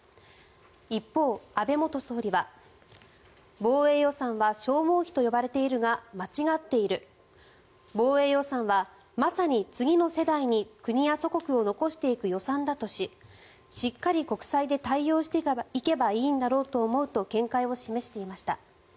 一方、安倍元総理は防衛予算は消耗費と呼ばれているが間違っている防衛予算はまさに次の世代に国や祖国を残していく予算だとししっかり国債で対応していけばいいんだろうと思うと見解を示していました。